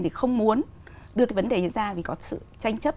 thì không muốn đưa cái vấn đề này ra vì có sự tranh chấp